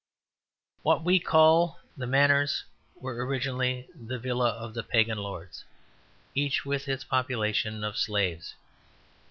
What we call the manors were originally the villae of the pagan lords, each with its population of slaves.